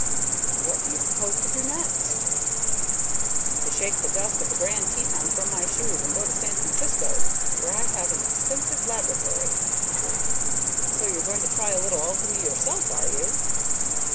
"What do you propose to do next?" "To shake the dust of the Grand Teton from my shoes and go to San Francisco, where I have an extensive laboratory." "So you are going to try a little alchemy yourself, are you?"